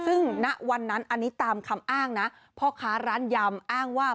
ซึ่งณวันนั้นอันนี้ตามคำอ้างนะพ่อค้าร้านยำอ้างว่า